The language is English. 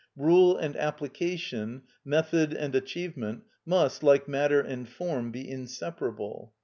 Rule and application, method and achievement, must, like matter and form, be inseparable.